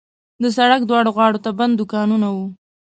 د سړک دواړو غاړو ته بند دوکانونه وو.